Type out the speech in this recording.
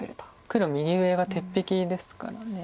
黒右上が鉄壁ですから。